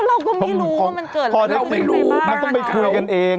เราก็ไม่รู้ว่ามันเกิดพอเราไม่รู้มันต้องไปคุยกันเอง